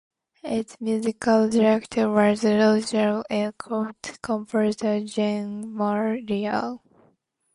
Its musical director was Roger Elcourt, composer Jean Morlier.